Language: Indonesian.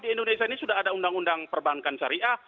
di indonesia ini sudah ada undang undang perbankan syariah